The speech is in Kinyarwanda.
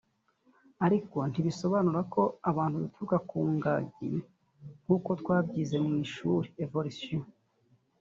Ariko ntibisobanura ko abantu duturuka ku ngagi nkuko twabyize mu ishuli (Evolution)